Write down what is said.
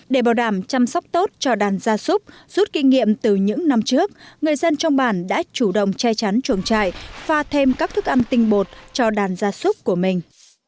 để bảo đảm chăm sóc tốt cho đàn gia súc rút kinh nghiệm từ những năm trước người dân trong bản đã chủ động che chắn chuồng trại pha thêm các thức ăn tinh bột cho đàn gia súc của mình